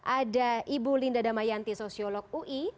ada ibu linda damayanti sosiolog ui